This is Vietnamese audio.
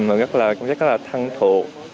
mình cảm giác rất là thân thụ